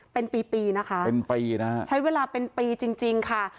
เป็นปีนะคะใช้เวลาเป็นปีจริงค่ะ